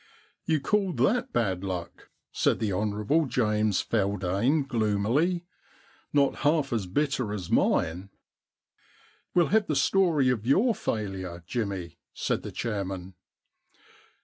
* You call that bad luck ?* said the Hon. James Feldane gloomily. * Not half as bitter as mine.' * WeUl have the story of your failure, Jimmy,' said the chairman.